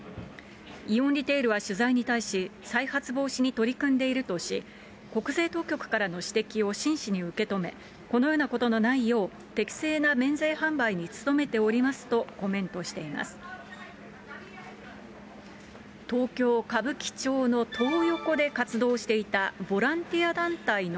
イオンリテールは取材に対し、再発防止に取り組んでいるとし、国税当局からの指摘を真摯に受け止め、このようなことのないよう、適正な免税販売に努めておりますとコメントしています。